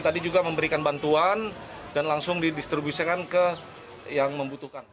tadi juga memberikan bantuan dan langsung didistribusikan ke yang membutuhkan